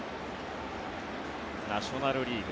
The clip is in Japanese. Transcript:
ナショナル・リーグ